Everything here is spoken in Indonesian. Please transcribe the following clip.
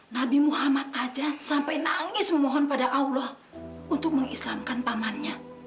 nabi muhammad ajat sampai nangis memohon pada allah untuk mengislamkan pamannya